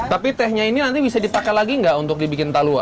tapi tehnya ini nanti bisa dipakai lagi nggak untuk dibikin talua